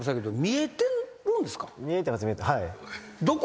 見えてます見えてます。